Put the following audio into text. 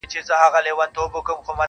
ما ته سپي ؤ په ژوندینه وصیت کړی,